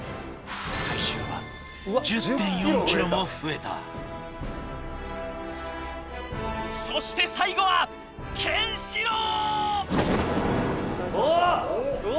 体重は１０．４ｋｇも増えたそして最後はケンシロウ！